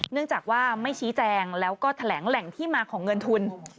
เนื่องจากว่าไม่ชี้แจงแล้วก็แถลงแหล่งที่มาของเงินทุน